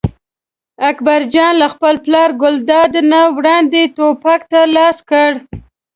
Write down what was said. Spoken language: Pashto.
اکبر جان له خپل پلار ګلداد نه وړاندې ټوپک ته لاس کړ.